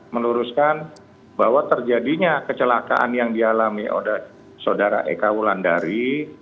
meluruskan bahwa terjadinya kecelakaan yang dialami oleh saudara eka wulandari